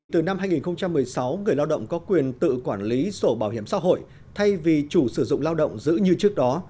từ năm hai nghìn một mươi sáu người lao động có quyền tự quản lý sổ bảo hiểm xã hội thay vì chủ sử dụng lao động giữ như trước đó